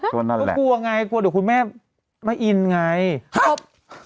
นั่นแหละก็กลัวไงกลัวเดี๋ยวคุณแม่ไม่อินไงครับ